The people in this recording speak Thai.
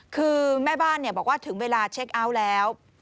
คือแม่บ้านบอกว่าถึงเวลาเช็คเอาท์แล้ว